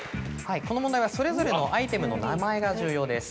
この問題はそれぞれのアイテムの名前が重要です。